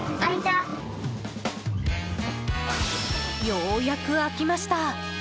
ようやく開きました！